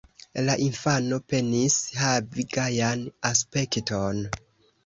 La infano penis havi gajan aspekton.